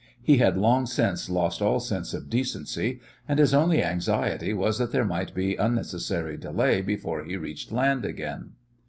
He had long since lost all sense of decency, and his only anxiety was that there might be unnecessary delay before he reached land again.